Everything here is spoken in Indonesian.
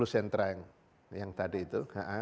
sepuluh sentra yang tadi itu ka